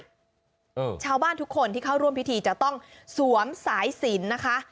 ชาวบ้านทุกคนที่เข้าร่วมพิธีจะต้องสวมสายสินนะคะ